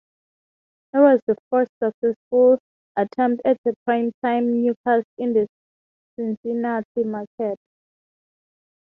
It was the first successful attempt at a primetime newscast in the Cincinnati market.